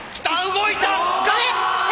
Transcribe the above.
動いたが！